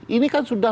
ini kan sudah